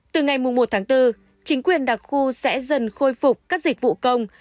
từ ngày một tháng bốn chính quyền đặc khu sẽ dần khôi phục các dịch vụ công